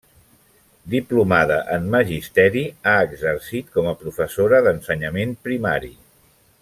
Diplomada en magisteri, ha exercit com a professora d'ensenyament primari.